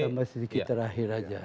saya tambah sedikit terakhir saja